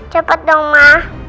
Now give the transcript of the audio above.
cepet dong ma